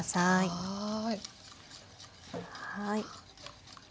はい。